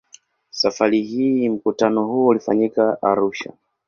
Safari hii mkutano huo ulifanyika Arusha.